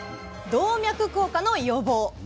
「動脈硬化の予防」。